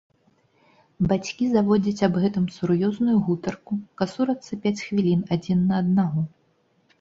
Бацькі заводзяць аб гэтым сур'ёзную гутарку, касурацца пяць хвілін адзін на аднаго.